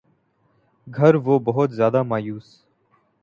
گر وہ بہت زیادہ مایوس